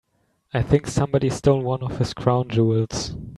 I think somebody stole one of his crown jewels.